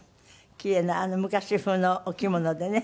キレイな昔風のお着物でね。